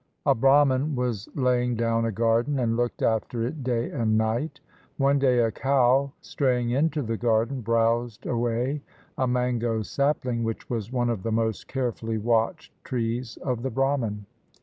A Brahman was laying down a garden and looked after it day and night. One day a cow straying into the gar den browsed away a mango sapUng which was one of the most carefully watched trees of the Brahman.